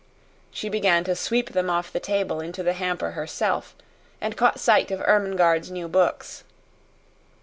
She began to sweep them off the table into the hamper herself, and caught sight of Ermengarde's new books.